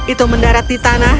itu mendarat di tanah